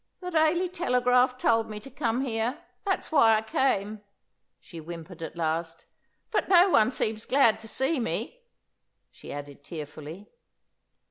"The Daily Telegraph told me to come here. That's why I came," she whimpered at last. "But no one seems glad to see me," she added tearfully.